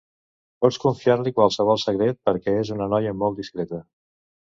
Pots confiar-li qualsevol secret, perquè és una noia molt discreta.